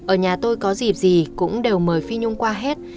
ở nhà tôi có dịp gì cũng đều mời phi nhung qua hết